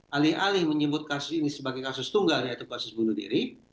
alih alih menyebut kasus ini sebagai kasus tunggal yaitu kasus bunuh diri